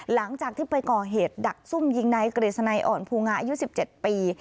หลังจากที่ไปก่อเหตุดักซุ่มยิงนายกฤษณัยอ่อนภูงาอายุ๑๗ปี